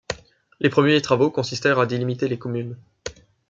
Les premiers travaux consistèrent à délimiter les communes.